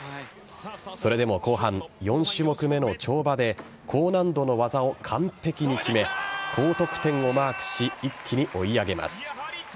それでも後半、４種目めの跳馬で高難度の技を完璧に決め高得点をマークし一気に追い上げます。